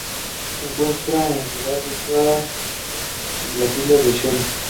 Se encuentra en el sur de África y en las islas Seychelles.